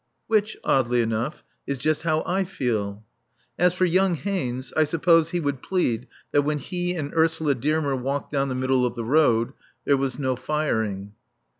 (Which, oddly enough, is just how I feel!) As for young Haynes, I suppose he would plead that when he and Ursula Dearmer walked down the middle of the road there was no firing.